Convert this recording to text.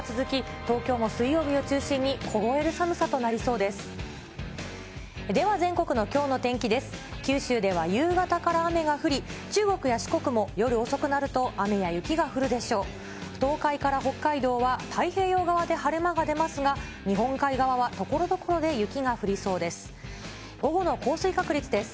東海から北海道は太平洋側で晴れ間が出ますが、日本海側はところどころで雪が降りそうです。